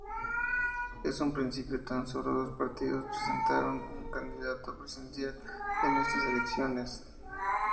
En un principio, tan solo dos partidos presentaron un candidato presidencial en estas elecciones.